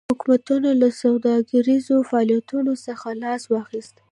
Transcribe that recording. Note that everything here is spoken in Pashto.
حکومتونو له سوداګریزو فعالیتونو څخه لاس واخیست.